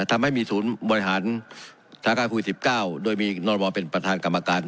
ทำให้มีศูนย์บริหารสค๑๙โดยมีนมเป็นประธานกรรมการ